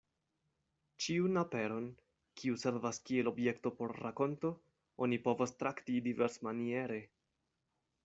Ĉiun aperon, kiu servas kiel objekto por rakonto, oni povas trakti diversmaniere.